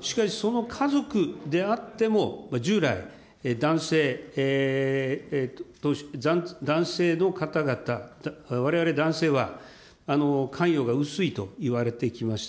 しかし、その家族であっても、従来、男性の方々、われわれ男性は、関与が薄いといわれてきました。